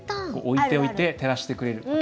置いておいて、照らしてくれる。